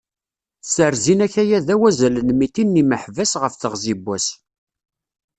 Sserzin akayad-a wazal n mitin n yimeḥbas ɣef teɣzi n wass.